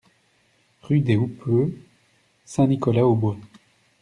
Rue des Houppeux, Saint-Nicolas-aux-Bois